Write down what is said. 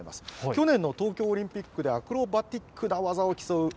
去年の東京オリンピックではアクロバティックな技を競うＢＭＸ